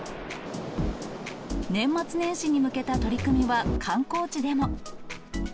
年末年始に向けた取り組みは、観光地でも。